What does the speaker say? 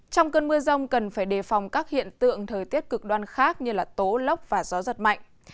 trong cơn mưa rông cần phải đề phòng các hiện tượng thời tiết cực đoan khác như tố lốc và gió giật mạnh